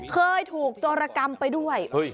เคยถูกโจรกรรมไปด้วย